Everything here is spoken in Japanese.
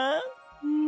うん。